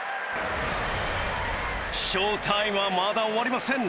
ショータイムはまだ終わりません。